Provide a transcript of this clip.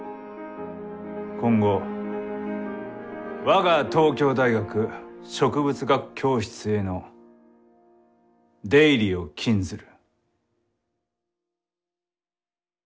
今後我が東京大学植物学教室への出入りを禁ずる。